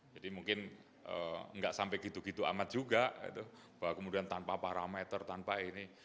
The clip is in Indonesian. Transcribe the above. jadi mungkin gak sampai gitu gitu amat juga bahwa kemudian tanpa parameter tanpa ini